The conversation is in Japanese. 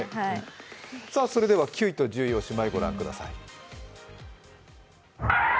９位と１０位、おしまいご覧ください。